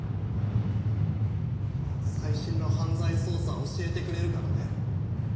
最新の犯罪捜査を教えてくれるからね。